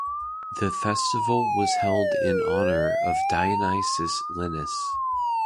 The festival was in honour of Dionysos Lenaios.